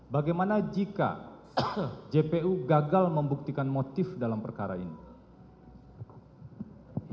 bagaimana jika jpu gagal membuktikan motif dalam perkara ini